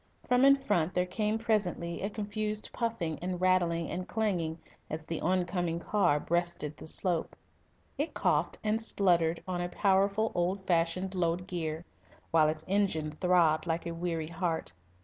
From in front there came presently a confused puffing and rattling and clanging as the oncoming car breasted the slope. It coughed and spluttered on a powerful, old fashioned low gear, while its engine throbbed like a weary heart.